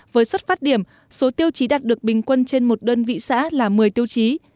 với xuất phát điểm số tiêu chí đạt được bình quân trên một đơn vị xã là một mươi tiêu chí